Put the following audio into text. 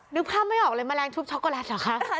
นึกภาพไม่ออกเลยแมลงทุบช็อกโกแลตเหรอคะ